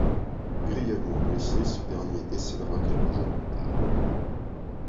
Grièvement blessé, ce dernier décédera quelques jours plus tard.